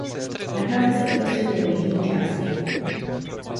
Nachází se uprostřed jeho jižní části.